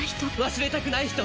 忘れたくない人。